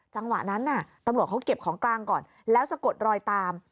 จังหวะนั้นตำรวจเขาเก็บของกลางก่อนแล้วสะกดรอยตาม